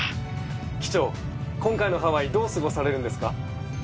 機長今回のハワイどう過ごされるんですか？